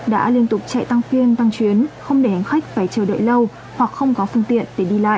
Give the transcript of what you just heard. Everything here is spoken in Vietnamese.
đã liên tục chạy tăng phiêng tăng chuyến không để hành khách phải chờ đợi lâu hoặc không có phương tiện để đi lại